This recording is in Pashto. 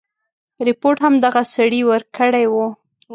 رپوټ هم دغه سړي ورکړی وو.